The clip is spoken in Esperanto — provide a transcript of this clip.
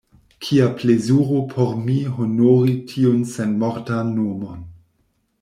Kia plezuro por mi honori tiun senmortan nomon!